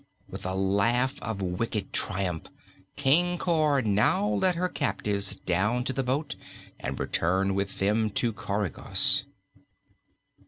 With a laugh of wicked triumph, Queen Cor now led her captives down to the boat and returned with them to Coregos.